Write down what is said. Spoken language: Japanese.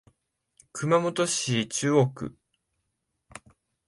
熊本市中央区